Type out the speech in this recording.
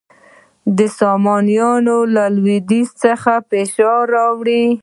ساسانیانو له لویدیځ څخه فشار راوړ